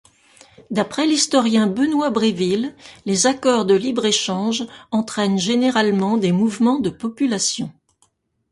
D'après l'historien Benoît Bréville, les accords de libre-échange entraînent généralement des mouvements de population.